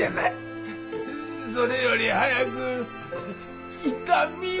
それより早く痛みを。